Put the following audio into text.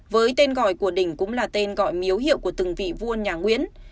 với tên gọi của đỉnh cũng là tên gọi miếu hiệu của từng vị vua nhà nguyễn